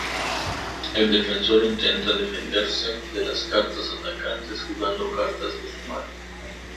El defensor intenta defenderse de las cartas atacantes jugando cartas de su mano.